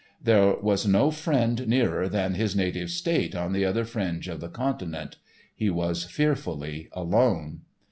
There was no friend nearer than his native state on the other fringe of the continent. He was fearfully alone.